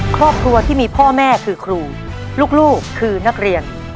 ครอบครัวที่มีพ่อแม่คือครูลูกคือนักเรียน